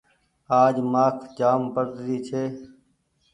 آج مآک جآم پڙري ڇي۔